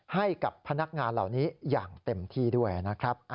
ให้กับพนักงานเหล่านี้อย่างเต็มที่ด้วยนะครับ